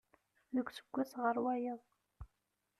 Deg useggas ɣer wayeḍ.